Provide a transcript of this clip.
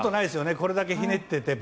これだけひねっていても。